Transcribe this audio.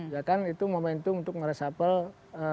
ya kan itu momentum untuk meresapel